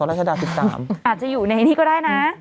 อาจจะอยู่ในนี้ก็ได้นะ